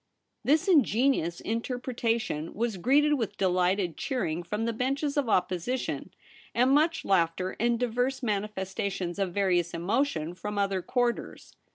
This ingenious interpretation was greeted with delighted cheering from the benches of Opposition, and much laughter and divers manifestations of various emotion from other quarters.